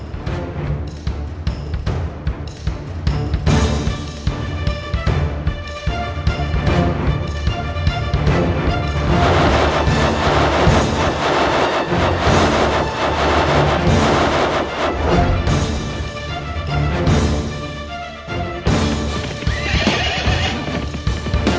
tak ada lagu sekarang